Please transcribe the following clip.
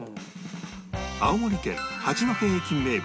青森県八戸駅名物